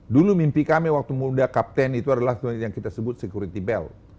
dulu mimpi kami waktu muda kapten itu adalah yang kita sebut security belt